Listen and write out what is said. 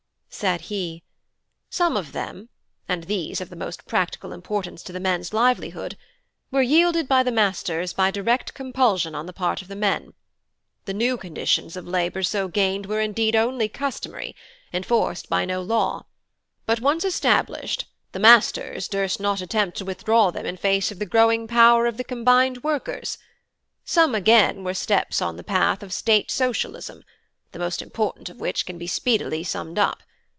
Said he: "Some of them, and these of the most practical importance to the mens' livelihood, were yielded by the masters by direct compulsion on the part of the men; the new conditions of labour so gained were indeed only customary, enforced by no law: but, once established, the masters durst not attempt to withdraw them in face of the growing power of the combined workers. Some again were steps on the path of 'State Socialism'; the most important of which can be speedily summed up.